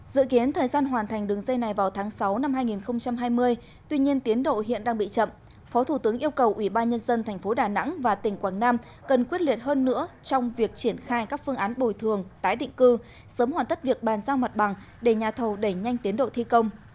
dự kiến thời gian hoàn thành đường dây này vào tháng sáu năm hai nghìn hai mươi tuy nhiên tiến độ hiện đang bị chậm phó thủ tướng yêu cầu ủy ban nhân dân thành phố đà nẵng và tỉnh quảng nam cần quyết liệt hơn nữa trong việc triển khai các phương án bồi thường tái định cư sớm hoàn tất việc bàn giao mặt bằng để nhà thầu đẩy nhanh tiến độ thi công